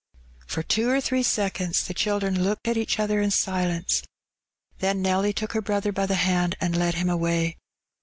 For two or three seconds the children looked at each other in silence, then Nelly took her brother by the hand and led him away.